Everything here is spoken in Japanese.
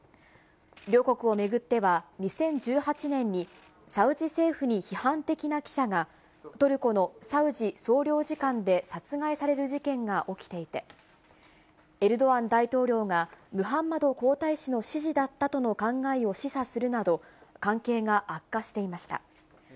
両国を巡っては、２０１８年にサウジ政府に批判的な記者が、トルコのサウジ総領事館で殺害される事件が起きていて、エルドアン大統領が、ムハンマド皇太子の指示だったとの考えを示唆するなど、関係が悪化していました。